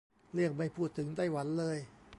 เลี่ยงไม่พูดถึงไต้หวันเลย